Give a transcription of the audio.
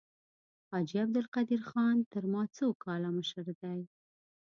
حاجي عبدالقدیر خان تر ما څو کاله مشر دی.